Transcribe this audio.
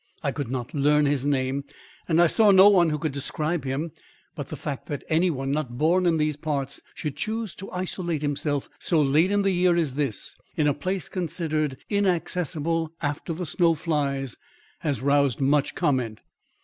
I could not learn his name and I saw no one who could describe him; but the fact that any one not born in these parts should choose to isolate himself so late in the year as this, in a place considered inaccessible after the snow flies, has roused much comment."